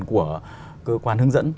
của cơ quan hướng dẫn